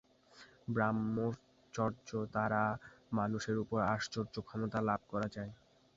ব্রহ্মচর্য দ্বারা মানুষের উপর আশ্চর্য ক্ষমতা লাভ করা যায়।